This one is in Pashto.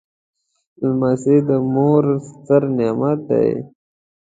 لمسی د مور ستر نعمت دی.